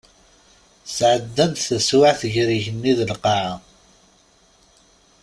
Sɛeddan-d taswiɛt gar yigenni d lqaɛa.